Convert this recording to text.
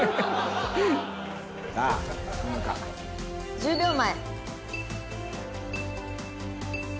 １０秒前。